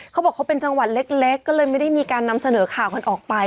เขาบอกเขาเป็นจังหวัดเล็กก็เลยไม่ได้มีการนำเสนอข่าวกันออกไป